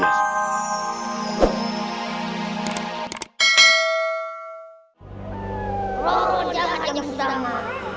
rohon yang hanya bersama